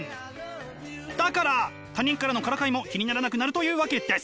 だから他人からのからかいも気にならなくなるというわけです！